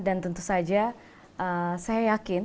dan tentu saja saya yakin